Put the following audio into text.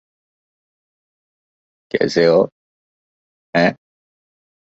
کیا خیال ہے مجھے کیا کرنا چاہئے